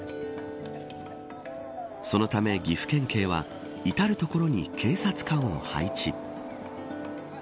そのため岐阜県警は至る所に警察官を配置。